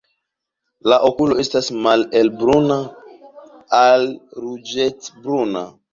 La okulo estas malhelbruna al ruĝecbruna.